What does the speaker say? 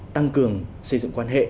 tăng cường xây dựng quan hệ